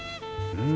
うん。